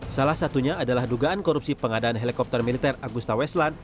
salah satunya adalah dugaan korupsi pengadaan helikopter militer agusta weslan